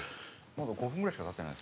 まだ５分ぐらいしかたってない。